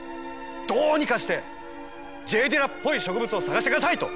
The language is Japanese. どうにかしてＪ・ディラっぽい植物を探してくださいと！